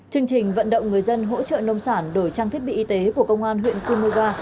chương trình vận động người dân hỗ trợ nông sản đổi trang thiết bị y tế của công an huyện cư mơ ga